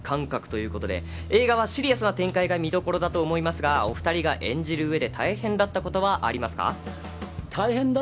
映画はシリアスな展開が見どころだと思いますが、お２人が演じる上で大変だったことはありますか？